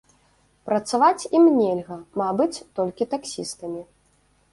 Працаваць ім нельга, мабыць, толькі таксістамі.